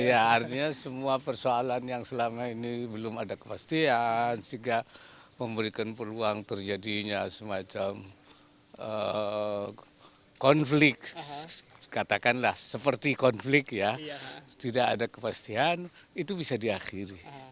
ya artinya semua persoalan yang selama ini belum ada kepastian sehingga memberikan peluang terjadinya semacam konflik katakanlah seperti konflik ya tidak ada kepastian itu bisa diakhiri